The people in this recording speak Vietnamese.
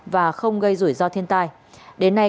và không gây rủi ro thiên tai